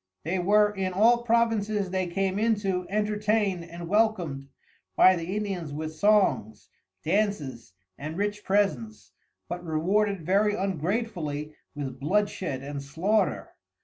They were in all Provinces they came into entertained and welcomed by the Indians with Songs, Dances and Rich Presents but Rewarded very ungratefully with bloodshed and Slaughter.